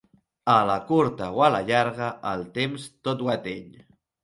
A la curta o a la llarga, el temps tot ho ateny.